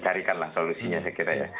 carikanlah solusinya saya kira ya